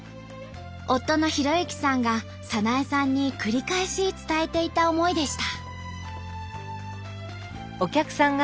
夫の弘之さんが早苗さんに繰り返し伝えていた思いでした。